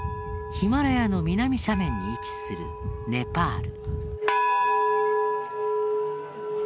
ヒマラヤの南斜面に位置するネパール。